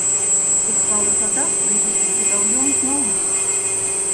У сталых гадах прыйдзецца з гадаўём зноў біцца.